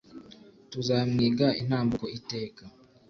tuzamwiga intambuko iteka